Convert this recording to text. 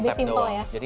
lebih simpel ya